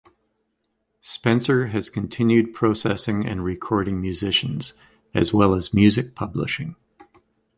Spencer has continued producing and recording musicians, as well as music publishing.